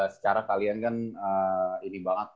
secara kalian kan ini banget